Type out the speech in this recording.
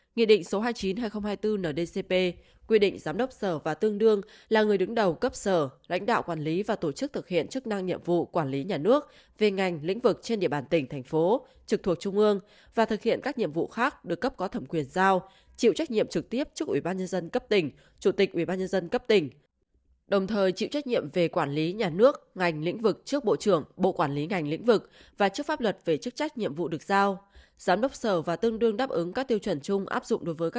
nghị định số hai mươi chín hai nghìn hai mươi bốn ndcp quy định giám đốc sở và tương đương là người đứng đầu cấp sở lãnh đạo quản lý và tổ chức thực hiện chức năng nhiệm vụ quản lý nhà nước về ngành lĩnh vực trên địa bàn tỉnh thành phố trực thuộc trung ương và thực hiện các nhiệm vụ khác được cấp có thẩm quyền giao chịu trách nhiệm trực tiếp trước ủy ban nhân dân cấp tỉnh chủ tịch ủy ban nhân dân cấp tỉnh đồng thời chịu trách nhiệm về quản lý nhà nước ngành lĩnh vực trước bộ trưởng bộ quản lý ngành lĩnh vực và chức pháp luật về chức trách nhiệ